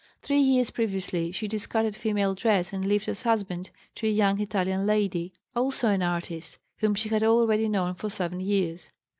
Three years previously she discarded female dress and lived as "husband" to a young Italian lady, also an artist, whom she had already known for seven years.